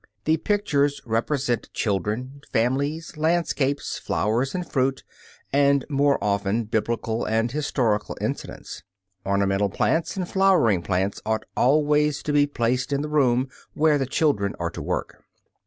The pictures represent children, families, landscapes, flowers and fruit, and more often Biblical and historical incidents. Ornamental plants and flowering plants ought always to be placed in the room where the children are at work.